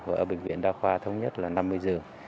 và ở bệnh viện đa khoa thống nhất là năm mươi giường